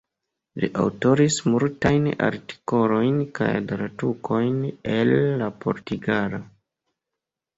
Li aŭtoris multajn artikolojn kaj tradukojn el la portugala.